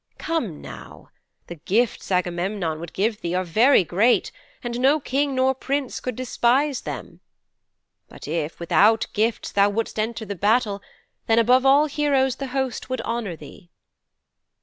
Come now. The gifts Agamemnon would give thee are very great, and no king nor prince could despise them. But if without gifts thou would'st enter the battle, then above all heroes the host would honour thee."'